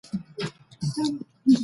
ملي شورا بهرنی استازی نه ګواښي.